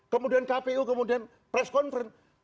kemudian kpu kemudian press conference